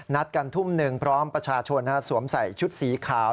กันทุ่มหนึ่งพร้อมประชาชนสวมใส่ชุดสีขาว